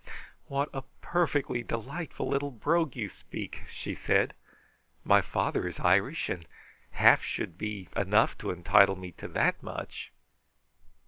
"What a perfectly delightful little brogue you speak," she said. "My father is Irish, and half should be enough to entitle me to that much.